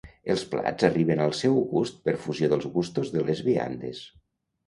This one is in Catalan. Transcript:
Els plats arriben al seu gust per fusió dels gustos de les viandes